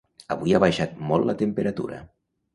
Avui ha baixat molt la temperatura